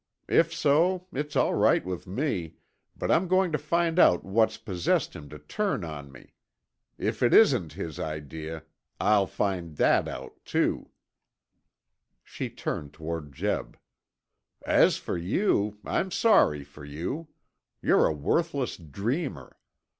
If so, it's all right with me, but I'm going to find out what's possessed him to turn on me. If it isn't his idea, I'll find that out, too." She turned toward Jeb. "As for you, I'm sorry for you. You're a worthless dreamer.